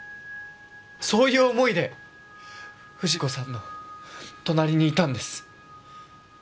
そういう思いで藤子さんの隣にいたんです。